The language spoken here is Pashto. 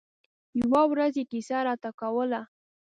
يوه ورځ يې کیسه راته کوله.